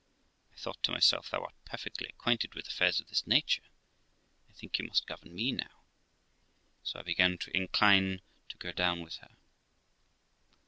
I thought to myself, 'Thou art perfectly acquainted with affairs of this nature; I think you must govern me now '; so I began to incline to go down with her.